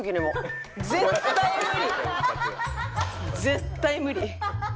絶対無理！